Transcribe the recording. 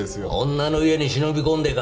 女の家に忍び込んでか！？